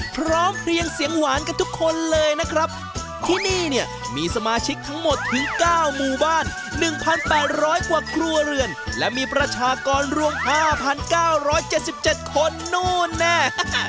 พร้อมเพลียงเสียงหวานกันทุกคนเลยนะครับที่นี่เนี่ยมีสมาชิกทั้งหมดถึง๙หมู่บ้าน๑๘๐๐กว่าครัวเรือนและมีประชากรรวม๕๙๗๗คนนู่นแน่